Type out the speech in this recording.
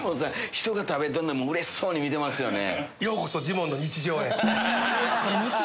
人が食べてるのもうれしそうに見てますよね。